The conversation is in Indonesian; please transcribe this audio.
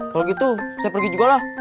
kalau gitu saya pergi juga lah